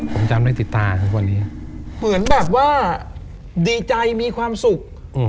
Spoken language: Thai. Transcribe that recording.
ผมจำได้ติดตาครับวันนี้เหมือนแบบว่าดีใจมีความสุข